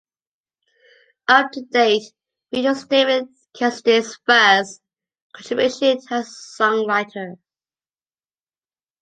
"Up to Date" features David Cassidy's first contribution as a songwriter.